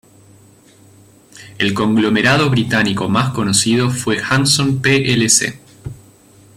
El conglomerado británico más conocido fue Hanson plc.